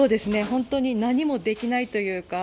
本当に何もできないというか